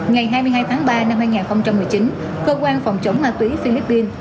ngày hai mươi hai tháng ba năm hai nghìn một mươi chín cơ quan phòng chống ma túy philippines